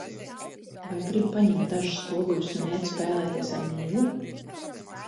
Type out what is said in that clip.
Vai gribi paņemt dažus spoguļus un iet spēlēties ar Nīlu?